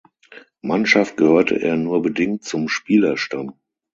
Mannschaft gehörte er nur bedingt zum Spielerstamm.